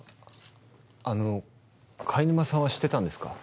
あの貝沼さんは知ってたんですか？